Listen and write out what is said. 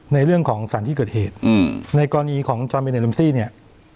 ในเรื่องของสารที่เกิดเหตุอืมในกรณีของเนี่ย